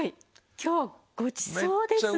今日ごちそうですね。